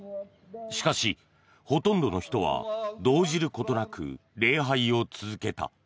しかし、ほとんどの人は動じることなく礼拝を続けた。